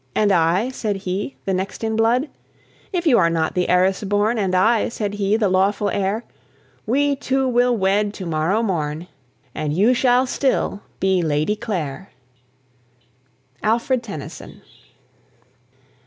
And I," said he, "the next in blood "If you are not the heiress born, And I," said he, "the lawful heir, We two will wed to morrow morn, And you shall still be Lady Clare." ALFRED TENNYSON.